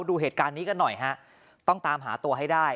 ดูเหตุการณ์นี้กันหน่อยฮะต้องตามหาตัวให้ได้